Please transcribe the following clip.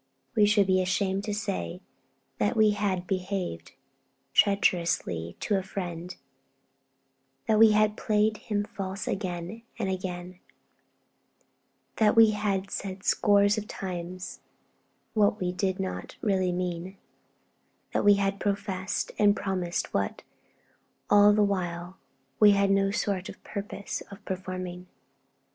We should be ashamed to say that we had behaved treacherously to a friend; that we had played him false again and again; that we had said scores of times what we did not really mean; that we had professed and promised what, all the while, we had no sort of purpose of performing.